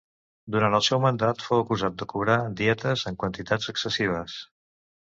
Durant el seu mandat fou acusat de cobrar dietes en quantitats excessives.